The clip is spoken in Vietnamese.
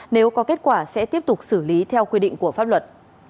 nếu có kết quả sẽ tiếp tục xử lý theo quy định của pháp luật